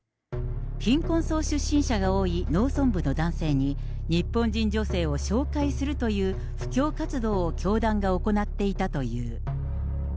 貧困層出身者が多い農村部の男性に、日本人女性を紹介するという布教活動を教団が行っていたという。